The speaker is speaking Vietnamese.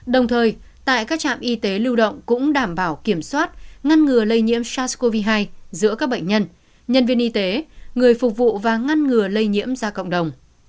đồng thời tại các trạm y tế lưu động cũng đảm bảo kiểm soát ngăn ngừa lây nhiễm sars cov hai giữa các bệnh nhân nhân viên y tế người phục vụ và ngăn ngừa lây nhiễm ra cộng đồng